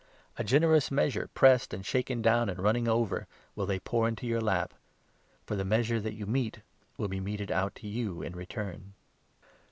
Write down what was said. A generous measure, pressed and shaken down, and running over, will they pour into your lap ; 38 for the measure that you mete will be meted out to you in return."